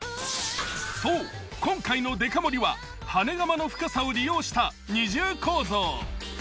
そう今回のデカ盛りは羽根釜の深さを利用した２重構造。